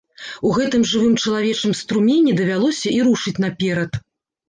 У гэтым жывым чалавечым струмені давялося і рушыць наперад.